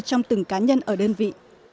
trong từng cá nhân ở đơn vị